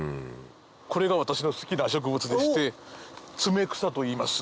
これが私の好きな植物でしてツメクサといいます。